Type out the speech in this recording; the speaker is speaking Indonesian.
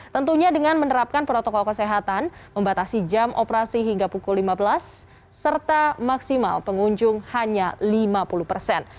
tentunya dengan menerapkan protokol kesehatan membatasi jam operasi hingga pukul lima belas serta maksimal pengunjung hanya lima puluh persen